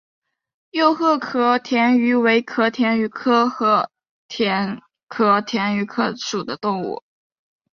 幼赫壳蛞蝓为壳蛞蝓科赫壳蛞蝓属的动物。